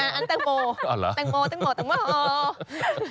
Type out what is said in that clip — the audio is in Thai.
ตังโมตังโมตังโม